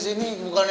eh ini ngapain kesini